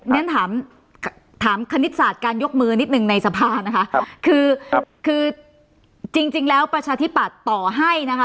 ฉันถามถามคณิตศาสตร์การยกมือนิดหนึ่งในสภานะคะคือคือจริงแล้วประชาธิปัตย์ต่อให้นะคะ